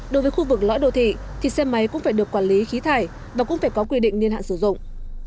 đối với khu vực lõi đô thị thì xe máy cũng phải được quản lý khí thải và cũng phải có quy định niên hạn sử dụng